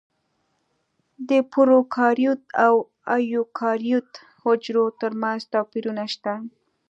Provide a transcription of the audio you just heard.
د پروکاریوت او ایوکاریوت حجرو ترمنځ توپیرونه شته.